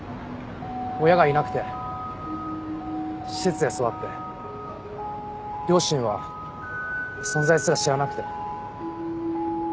親がいなくて施設で育って両親は存在すら知らなくて。